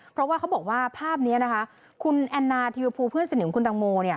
เพราะว่าเขาบอกว่าภาพนี้นะคะคุณแอนนาทีภูเพื่อนสนิทของคุณตังโม